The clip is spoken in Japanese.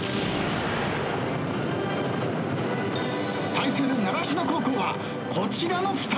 対する習志野高校はこちらの２人。